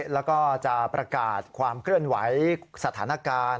แล้วก็จะประกาศความเคลื่อนไหวสถานการณ์